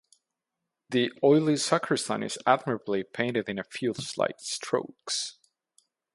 The oily sacristan is admirably painted in a few slight strokes.